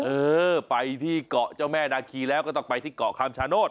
เออไปที่เกาะเจ้าแม่นาคีแล้วก็ต้องไปที่เกาะคำชโนธ